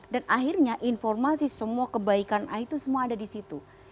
dan akhirnya informasi semua kebaikan a itu semua ada di situ